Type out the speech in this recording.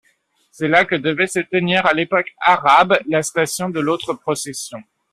C'est là que devait se tenir à l'époque arabe la station de l'autre procession.